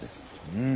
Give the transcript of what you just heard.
うん。